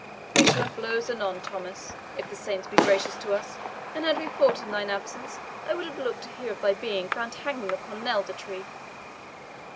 We shall have blows anon, Thomas, if the saints be gracious to us; and had we fought in thine absence, I would have looked to hear of thy being found hanging upon an elder tree."